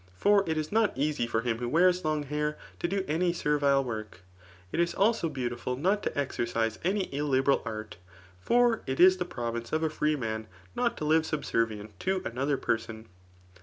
For it is not easy for him who wears long hair to do any servile woriu' It is also beaittiful not to exercise any illiberal art ; for it is the province of a freeman not to live subservient to another person.